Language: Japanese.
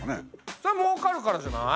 そりゃもうかるからじゃない？